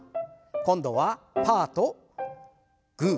今度はパーとグー。